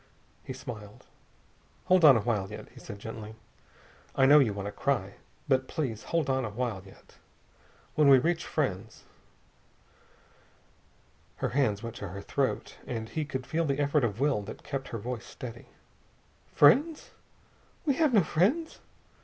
He smiled. "Hold on a while yet," he said gently. "I know you want to cry. But please hold on a while yet. When we reach friends...." Her hands went to her throat, and he could feel the effort of will that kept her voice steady. "Friends? We have no friends."